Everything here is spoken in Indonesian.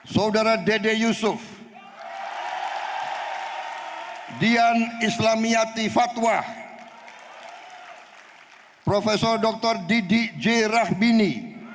saudara dede yusuf dian islamiyati fatwa prof dr didi j rahbini